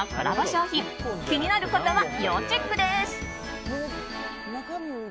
商品気になる方は要チェックです。